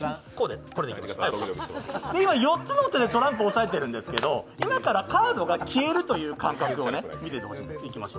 今４つの手で、トランプ押さえてるんですけど今からカードが消えるという感覚を見ていてほしいんです。